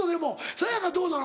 さや香どうなの？